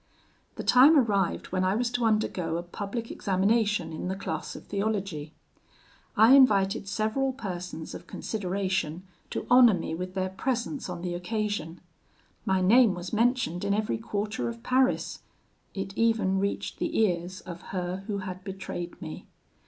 "The time arrived when I was to undergo a public examination in the class of theology: I invited several persons of consideration to honour me with their presence on the occasion. My name was mentioned in every quarter of Paris: it even reached the ears of her who had betrayed me.